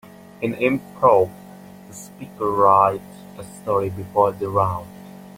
In Improv, the speaker writes a story before the round.